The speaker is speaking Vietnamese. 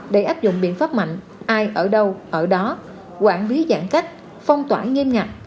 để áp dụng biện pháp mạnh ai ở đâu ở đó quản lý giãn cách phong tỏa nghiêm ngặt